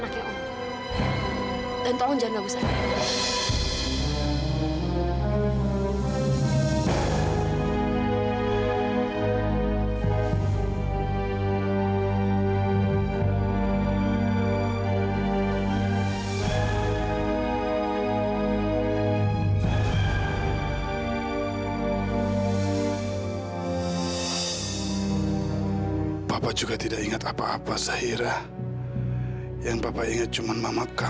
apa om sengaja supaya aku bisa jauh dari papa aku sendiri